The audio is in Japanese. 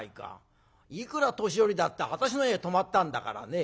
いくら年寄りだって私の家へ泊まったんだからね